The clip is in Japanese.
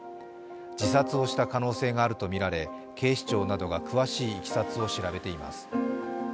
自殺をした可能性があるとみられ警視庁などが詳しいいきさつを調べています。